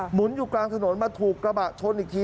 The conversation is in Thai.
หุนอยู่กลางถนนมาถูกกระบะชนอีกที